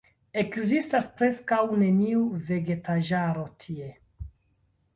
Ekzistas preskaŭ neniu vegetaĵaro tie.